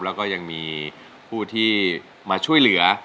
แล้วก็ยังมีผู้ที่มาช่วยเหลือ